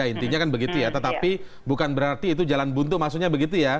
intinya kan begitu ya tetapi bukan berarti itu jalan buntu maksudnya begitu ya